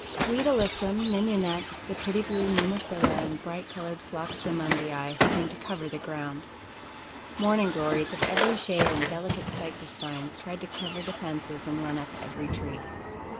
"Sweet Alyssum, Mignonnette, the pretty blue Nemophila and bright colored Phlox Drummondii seemed to cover the ground. Morning Glories of every shade and delicate Cypress vines tried to cover the fences and run up every tree.